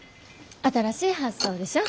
新しい発想でしょ？